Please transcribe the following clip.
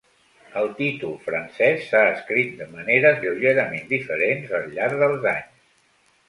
El títol francès s'ha escrit de maneres lleugerament diferents al llarg dels anys.